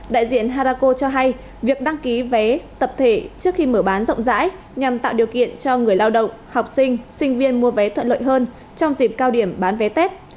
đại diện harako cho hay việc đăng ký vé tập thể trước khi mở bán rộng rãi nhằm tạo điều kiện cho người lao động học sinh sinh viên mua vé thuận lợi hơn trong dịp cao điểm bán vé tết